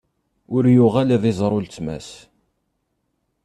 Ur yuɣal ad iẓer uletma-s.